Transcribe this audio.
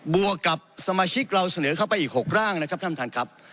วกกับสมาชิกเราเสนอเข้าไปอีก๖ร่างนะครับท่านท่านครับ